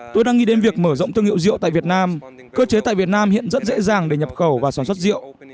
tôi đang nghĩ đến việc mở rộng thương hiệu rượu tại việt nam cơ chế tại việt nam hiện rất dễ dàng để nhập khẩu và sản xuất rượu